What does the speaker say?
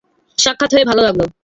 সাক্ষাৎ হয়ে ভালো লাগলো!